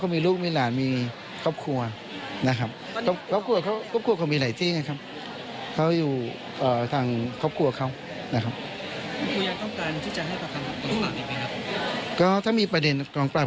ไม่เคยมีขบวนการเลยครับ